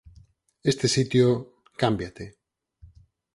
Este sitio... cámbiate.